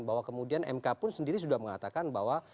bahwa kemudian mk pun sendiri sudah mengatakan bahwa